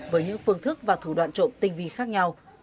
với những phương thức và thủ đoạn trộm tinh vi khác nhau